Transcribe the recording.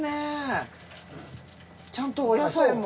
ちゃんとお野菜も。